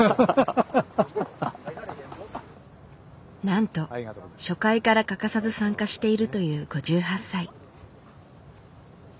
なんと初回から欠かさず参加しているという５８歳。